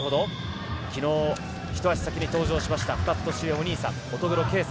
昨日、ひと足先に登場しました２つ年上のお兄さん乙黒圭祐。